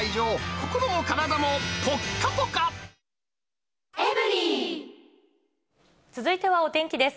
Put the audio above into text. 心も体続いてはお天気です。